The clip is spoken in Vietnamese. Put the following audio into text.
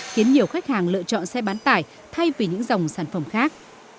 khiến nhiều khách hàng lựa chọn xe bán tải thay vì những dòng sản phẩm khác